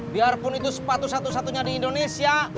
biarpun itu sepatu satu satunya di indonesia